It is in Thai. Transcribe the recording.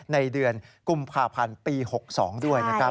ในเดือนกุมภาพันธ์ปี๖๒ด้วยนะครับ